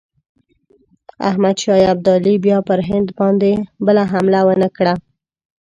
احمدشاه ابدالي بیا پر هند بله حمله ونه کړه.